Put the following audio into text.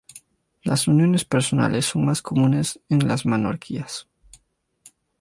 Las uniones personales son más comunes en las monarquías.